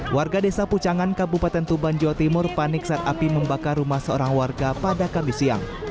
warga desa pucangan kabupaten tuban jawa timur panik saat api membakar rumah seorang warga pada kamis siang